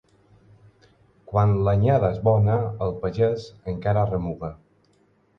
Quan l'anyada és bona el pagès encara remuga.